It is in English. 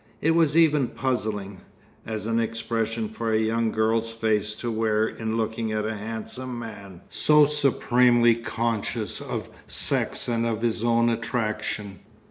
It was even puzzling, as an expression for a young girl's face to wear in looking at a handsome man so supremely conscious of sex and of his own attraction.